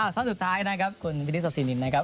ส้อมสุดท้ายครับคุณพินิษฐ์ศาสินิน